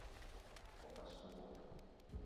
Kome basko wo.